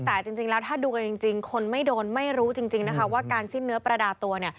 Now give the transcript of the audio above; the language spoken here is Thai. แต่จริงแล้วถ้าดูกันจริงคนไม่โดนไม่รู้จริงนะคะว่าการสิ้นเนื้อประดาตัวเนี่ย